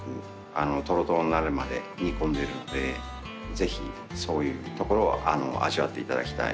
ぜひそういうところを味わっていただきたいなと。